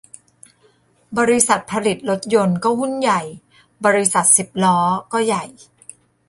บริษัทผลิตรถยนต์ก็หุ้นใหญ่ บริษัทสิบล้อก็ใหญ่